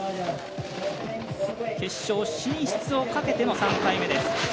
決勝進出をかけての３回目です。